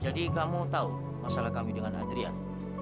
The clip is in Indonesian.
jadi kamu tau masalah kami dengan adrian